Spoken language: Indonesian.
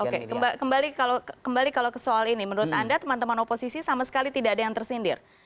oke kembali kalau ke soal ini menurut anda teman teman oposisi sama sekali tidak ada yang tersindir